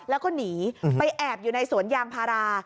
แล้วก็หนีไปแอบอยู่ในสวนยางพารา